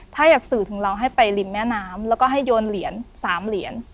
ถ้าอยากสื่อถึงเราให้ไปริมแม่น้ำแล้วก็ให้โยนเหรียญ๓เหรียญ